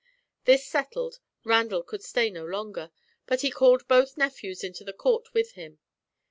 This settled, Randall could stay no longer, but he called both nephews into the court with him.